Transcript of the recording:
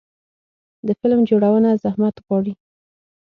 د فلم جوړونه زحمت غواړي.